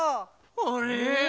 あれ！